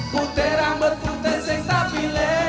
putih rambut besi tetapi